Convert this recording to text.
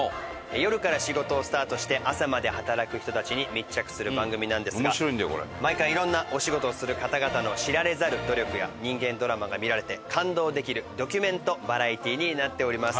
夜から仕事をスタートして朝まで働く人たちに密着する番組なんですが毎回いろんなお仕事をする方々の知られざる努力や人間ドラマが見られて感動できるドキュメントバラエティーになっております。